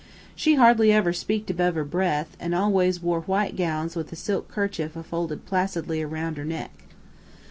She hardly ever speaked above her breath, an' always wore white gowns with a silk kerchief a folded placidly aroun' her neck.'